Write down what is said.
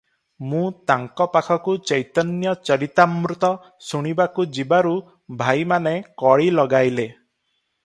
ମୁଁ ତାଙ୍କ ପାଖକୁ ଚୈତନ୍ୟ ଚରିତାମୃତ ଶୁଣିବାକୁ ଯିବାରୁ ଭାଇମାନେ କଳି ଲଗାଇଲେ ।